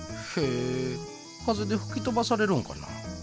風でふき飛ばされるんかな。